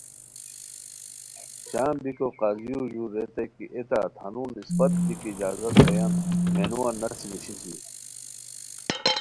شام بیکو قاضیو ژور ریتائے کی اے تت ہنون اسپت دی کی اجازت بویان مینوان نسی نیشیسی